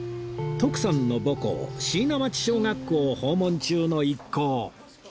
徳さんの母校椎名町小学校を訪問中の一行